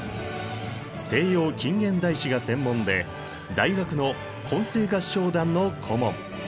西洋近現代史が専門で大学の混声合唱団の顧問。